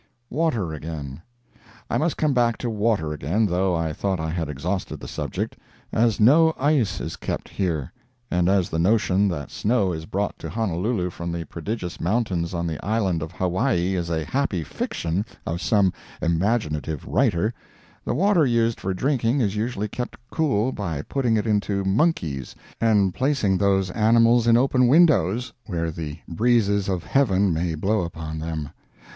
WATER AGAIN I must come back to water again, though I thought I had exhausted the subject. As no ice is kept here, and as the notion that snow is brought to Honolulu from the prodigious mountains on the island of Hawaii is a happy fiction of some imaginative writer, the water used for drinking is usually kept cool by putting it into "monkeys" and placing those animals in open windows, where the breezes of heaven may blow upon them.